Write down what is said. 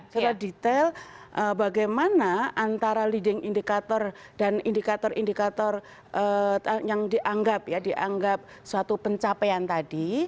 secara detail bagaimana antara leading indicator dan indikator indikator yang dianggap ya dianggap suatu pencapaian tadi